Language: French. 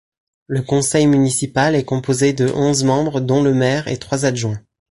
Le conseil municipal est composé de onze membres dont le maire et trois adjoints.